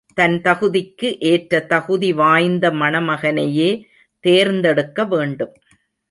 தன் தகுதிக்கு ஏற்ற தகுதி வாய்ந்த மணமகனையே தேர்ந்தெடுக்கவேண்டும்.